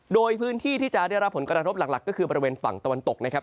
โดยพื้นที่ที่จะได้รับผลกระทบหลักก็คือบริเวณฝั่งตะวันตกนะครับ